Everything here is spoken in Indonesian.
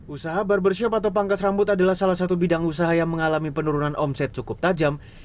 usaha barbershop atau pangkas rambut adalah salah satu bidang usaha yang mengalami penurunan omset cukup tajam